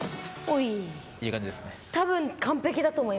いい感じですね。